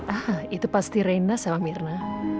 ah itu pasti reina sama mirna